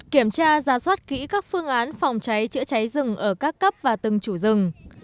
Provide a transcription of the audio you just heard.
kiểm tra ra soát kỹ các phương án phòng cháy chữa cháy rừng ở các cấp và từng chủ rừng